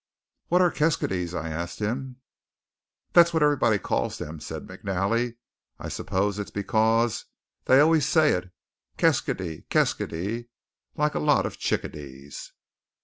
"What are 'keskydees'?" I asked him. "That's what everybody calls them," said McNally. "I suppose it's because they always say it, 'Keskydee, keskydee,' like a lot of chickadees."